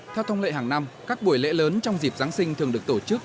theo thông lệ hàng năm các buổi lễ lớn trong dịp giáng sinh thường được tổ chức